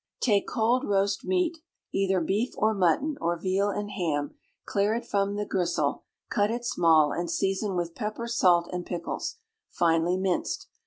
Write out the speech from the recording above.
Take cold roast meat, either beef, or mutton, or veal and ham, clear it from the gristle, cut it small, and season with pepper, salt, and pickles, finely minced.